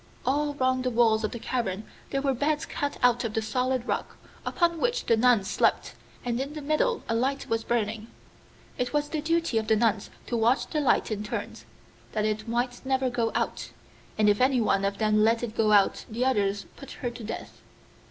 All round the walls of the cavern there were beds cut out of the solid rock, upon which the nuns slept, and in the middle a light was burning. It was the duty of the nuns to watch the light in turns, that it might never go out, and if anyone of them let it go out the others put her to death.